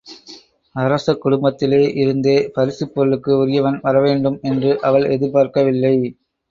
அரச குடும்பத்திலே இருந்தே பரிசுப் பொருளுக்கு உரியவன் வரவேண்டும் என்று அவள் எதிர் பார்க்கவில்லை.